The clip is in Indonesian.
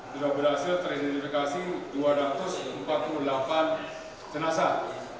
sudah berhasil teridentifikasi dua ratus empat puluh delapan jenazah